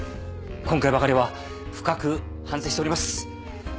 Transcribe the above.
今回ばかりは深く反省しております。